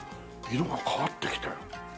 色が変わってきたよ。